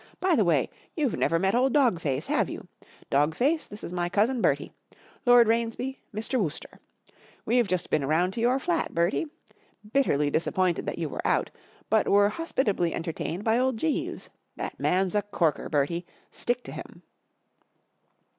By' the way, you've never met old Dog Face, have you ? Dog Face. this is my cousin Bertie. Lord Rainsby —Mr. Wooster. We've just been round to your flat, Bertie. Bitterly disappointed that you w'erc out. but were hospitably enter¬ tained by old Jeeves. That man's a corker, Bertie. Stick to him."